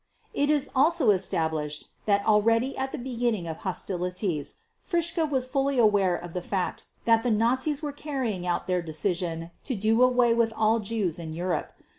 It is also established that already at the beginning of hostilities Fritzsche was fully aware of the fact that the Nazis were carrying out their decision to do away with all Jews in Europe.